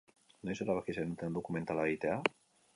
Noiz erabaki zenuten dokumentala egitea?